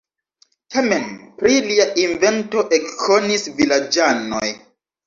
Tamen pri lia invento ekkonis vilaĝanoj.